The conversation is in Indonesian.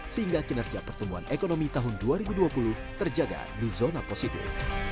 sehingga kinerja pertumbuhan ekonomi tahun dua ribu dua puluh terjaga di zona positif